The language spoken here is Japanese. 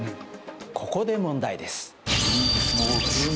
ここで問題です。